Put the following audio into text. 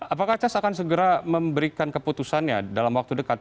apakah cas akan segera memberikan keputusannya dalam waktu dekat